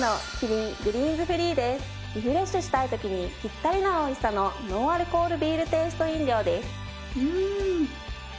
リフレッシュしたい時にピッタリなおいしさのノンアルコール・ビールテイスト飲料です。